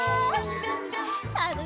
たのしいね！